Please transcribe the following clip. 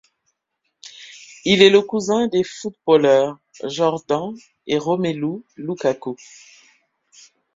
Il est le cousin des footballeurs Jordan et Romelu Lukaku.